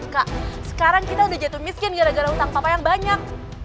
kak sekarang kita udah jatuh miskin gara gara utang papa yang banyak